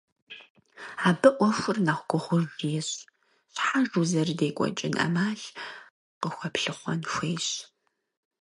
Абы Ӏуэхур нэхъ гугъуж ещӀ – щхьэж узэрыдекӀуэкӀын Ӏэмал къыхуэплъыхъуэн хуейщ.